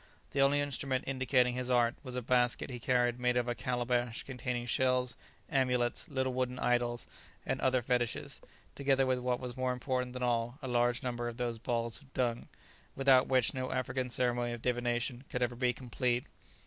The only instrument indicating his art was a basket he carried made of a calabash containing shells, amulets, little wooden idols and other fetishes, together with what was more important than all, a large number of those balls of dung, without which no African ceremony of divination could ever be complete.